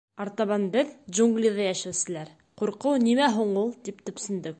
Артабан беҙ, джунглиҙа йәшәүселәр: «Ҡурҡыу нимә һуң ул?» — тип төпсөндөк.